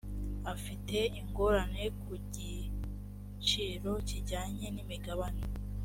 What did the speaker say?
afite ingorane ku giciro kijyanye n’imigabane